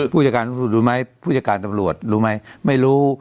พฤจการสูตรดูมั้ยพฤจการตำรวจยังไม่รู้